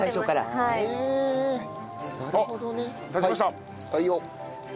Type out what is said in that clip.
はいよ。